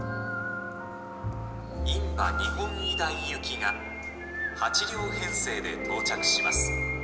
印旛日本医大行きが８両編成で到着します。